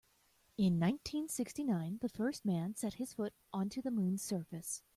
In nineteen-sixty-nine the first man set his foot onto the moon's surface.